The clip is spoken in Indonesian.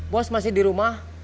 bos masih di rumah